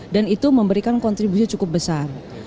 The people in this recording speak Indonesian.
dan itu memberikan kontribusi cukup besar